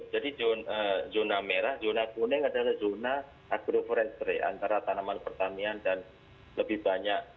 jadi zona merah zona kuning adalah zona agroforestry antara tanaman pertanian dan lebih banyak